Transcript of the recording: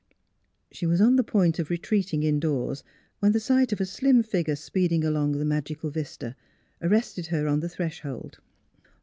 She was on the point of retreating indoors when the sight of a slim figure speeding along the magical vista arrested her on the threshold.